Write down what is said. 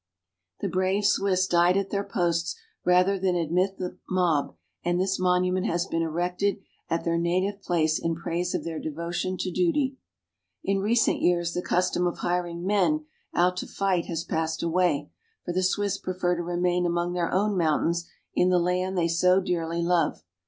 The brave Swiss died at their posts rather than admit the Lucerne. mob, and this monument has been erected at their native place in praise of their devotion to duty. In recent years the custom of hiring men out to fight has passed away, for the Swiss prefer to remain among their own mountains in the land they so dearly love.